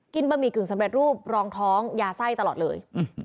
บะหมี่กึ่งสำเร็จรูปรองท้องยาไส้ตลอดเลย